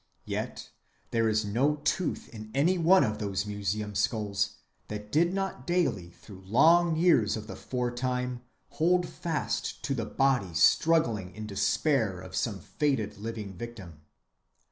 Yet there is no tooth in any one of those museum‐skulls that did not daily through long years of the foretime hold fast to the body struggling in despair of some fated living victim.